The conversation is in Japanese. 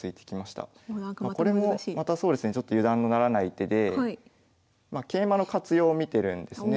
これもまたそうですねちょっと油断のならない手で桂馬の活用を見てるんですね。